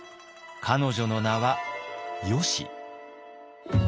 彼女の名は「よし」。